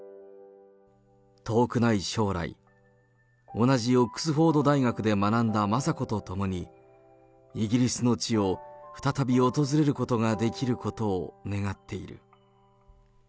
遠くない将来、同じオックスフォード大学で学んだ雅子と共に、イギリスの地を再び訪れることができることを願っている。